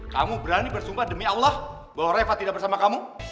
kamu berani bersumpah demi allah bahwa reva tidak bersama kamu